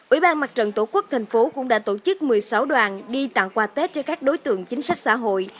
ủy ban mặt trận tổ quốc tp hcm cũng đã tổ chức một mươi sáu đoàn đi tặng quà tết cho các đối tượng chính sách xã hội